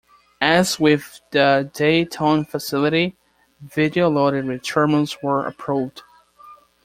As with the Dayton facility, video lottery terminals were approved.